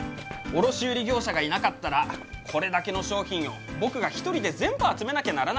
卸売業者がいなかったらこれだけの商品を僕が１人で全部集めなきゃならないからね。